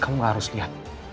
kamu gak harus lihat